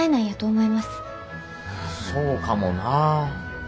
そうかもなぁ。